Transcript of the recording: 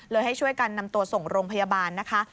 ให้ช่วยกันนำตัวส่งโรงพยาบาลนะคะ